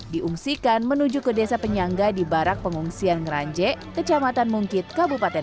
diungsikan menuju ke desa penyangga di barak pengungsian ngeranjek kecamatan mungkit kabupaten